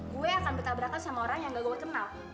gue akan bertabrakan sama orang yang gak gue kenal